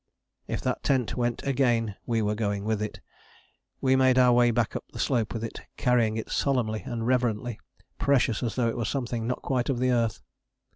If that tent went again we were going with it. We made our way back up the slope with it, carrying it solemnly and reverently, precious as though it were something not quite of the earth.